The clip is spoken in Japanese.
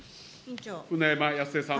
舟山康江さん。